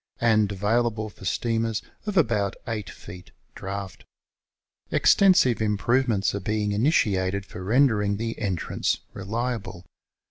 and available for steamers of about 8 feet draft. Extensive improve ments are being initiated for rendering the entrance reliable.